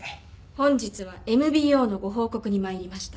本日はＭＢＯのご報告に参りました。